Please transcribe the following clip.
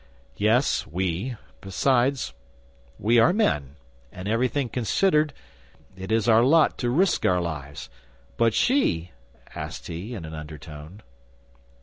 "Yes, we. Besides, we are men; and everything considered, it is our lot to risk our lives; but she," asked he, in an undertone.